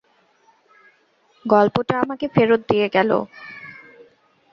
গল্পটা আমাকে ফেরত দিয়ে গেল।